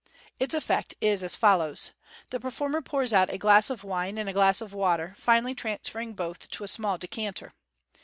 Its effect is as follows :— The performer pours out a glass of wine and a glass of water, finally transferring both to a small decanter.